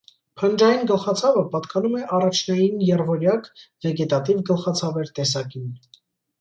Փնջային գլխացավը պատկանում է առաջնային եռվորյակ վեգետատիվ գլխացավեր տեսակին։